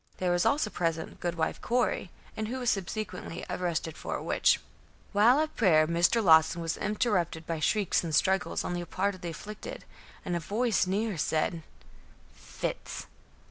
There was also present Goodwife Corey, who was subsequently arrested for a witch. While at prayer, Mr. Lawson was interrupted by shrieks and struggles on the part of the afflicted, and a voice near said: "Fits!"